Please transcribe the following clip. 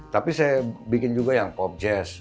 tapi saya bikin juga yang kob jazz